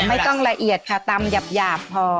ไม่ต้องละเอียดค่ะตำหยาบพอ